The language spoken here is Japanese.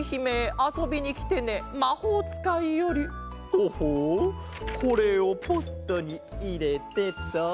ほほうこれをポストにいれてと。